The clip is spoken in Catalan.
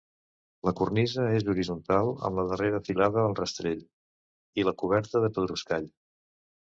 La cornisa és horitzontal amb la darrera filada al rastell, i la coberta de pedruscall.